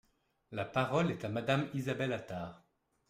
La parole est à Madame Isabelle Attard.